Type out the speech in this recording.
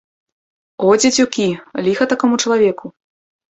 О, дзецюкі, ліха такому чалавеку!